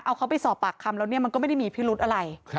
เอาเขาไปสอบปากคำแล้วเนี่ยมันก็ไม่ได้มีพิรุธอะไร